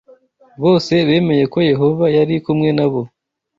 bose bemeye ko Yehova yari kumwe na bo